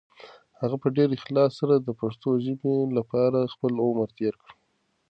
هغه په ډېر اخلاص سره د پښتو ژبې لپاره خپل عمر تېر کړ.